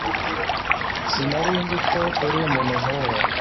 Sinari nzi ko uri umuntu nkuwo